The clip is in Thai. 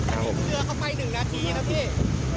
เรือเข้าไป๑นาทีนะพี่